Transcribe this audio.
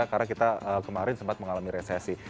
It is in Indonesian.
karena kita kemarin sempat mengalami resesi